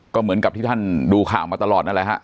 ก็เหมือนกับที่ท่านดูข่าวมาตลอดนั่นแหละฮะ